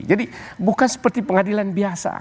jadi bukan seperti pengadilan biasa